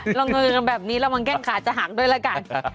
เออเราเงินกันแบบนี้เรามันแก้งขาจะหังด้วยละกัน